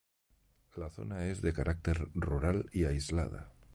La zona es de carácter rural y aislada.